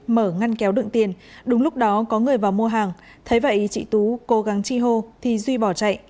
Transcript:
mở ngăn kéo đựng tiền đúng lúc đó có người vào mua hàng thấy vậy chị tú cố gắng chi hô thì duy bỏ chạy